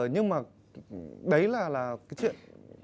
nhưng mà đấy là cái chuyện